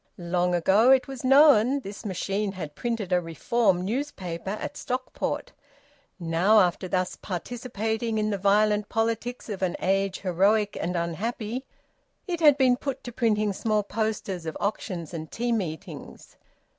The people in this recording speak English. Long ago, it was known, this machine had printed a Reform newspaper at Stockport. Now, after thus participating in the violent politics of an age heroic and unhappy, it had been put to printing small posters of auctions and tea meetings.